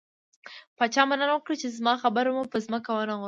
پاچا مننه وکړه، چې زما خبره مو په ځمکه ونه غورځوله.